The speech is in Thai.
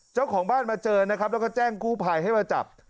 เจ้าของบ้านมาเจอนะครับแล้วก็แจ้งกู้ภัยให้มาจับ